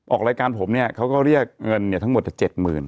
ออกรายการผมเนี่ยเขาก็เรียกเงินทั้งหมด๗๐๐